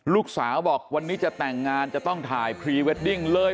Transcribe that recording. ลูกสาวบอกวันนี้จะแต่งงานจะต้องถ่ายพรีเวดดิ้งเลย